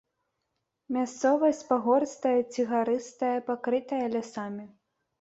Мясцовасць пагорыстая ці гарыстая, пакрытая лясамі.